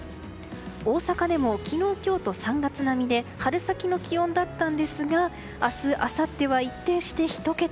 大阪でも昨日、今日と３月並みで春先の気温だったんですが明日あさっては一転して１桁。